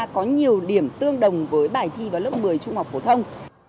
có nhiều điểm tương đồng với bài thi vào lớp một mươi trung học phổ thông